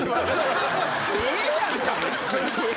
ええやんか別に。